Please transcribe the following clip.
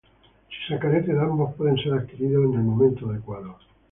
Si se carece de ambos pueden ser adquiridos en el momento adecuado.